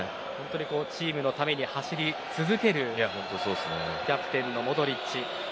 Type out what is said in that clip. チームのために走る続けるキャプテンのモドリッチ。